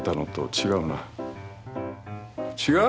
違う？